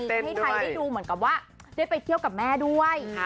ให้ไทยได้ดูเหมือนกับว่าได้ไปเที่ยวกับแม่ด้วย